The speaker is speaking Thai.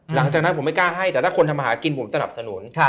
หลังจากนั้นผมไม่กล้าให้แต่ถ้าคนทำมาหากินผมสนับสนุน